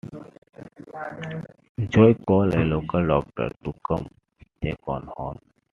Joe calls a local doctor to come check on Horn.